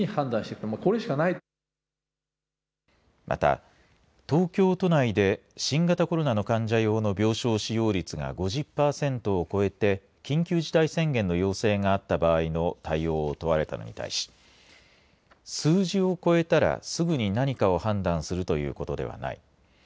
また、東京都内で新型コロナの患者用の病床使用率が５０パーセントを超えて緊急事態宣言の要請があった場合の対応を問われたのに対し数字を超えたらすぐに何かを判断するということではない。